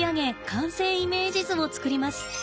完成イメージ図を作ります。